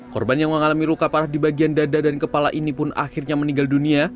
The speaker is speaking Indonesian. korban yang mengalami luka parah di bagian dada dan kepala ini pun akhirnya meninggal dunia